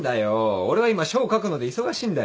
俺は今書を書くので忙しいんだよ。